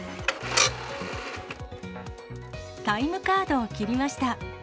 タイムカードを切りました。